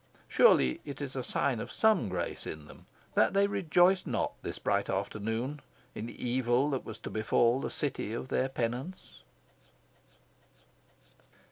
Surely, it is sign of some grace in them that they rejoiced not, this bright afternoon, in the evil that was to befall the city of their penance.